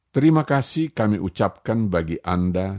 terima kasih kami ucapkan bagi anda